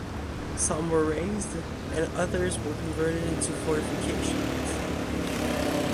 Some were razed, and others were converted into fortifications.